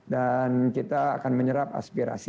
dan kita akan menyerap aspirasi